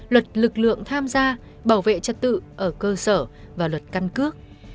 luật tham gia bảo vệ trật tự ở cơ sở và luật căn cước